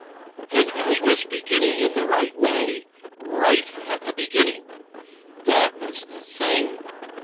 And I was beginning in the right way right at the beginning. That was the thing.